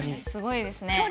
すごいですね。